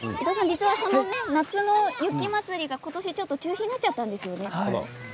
夏の雪祭りが今年中止になっちゃったんですよね。